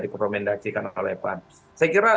dikomendasikan oleh pan saya kira